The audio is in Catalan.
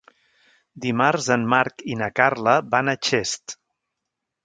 Dimarts en Marc i na Carla van a Xest.